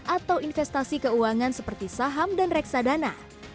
atau investasi keuangan seperti sebagainya